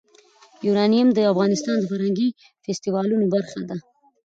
یورانیم د افغانستان د فرهنګي فستیوالونو برخه ده.